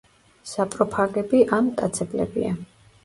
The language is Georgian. საპროფაგები ან მტაცებლებია.